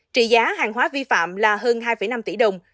trị giá hàng hóa vi phạm là hơn hai năm tỷ đồng